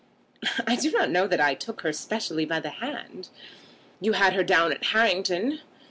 "I do not know that I took her specially by the hand." "You had her down at Harrington."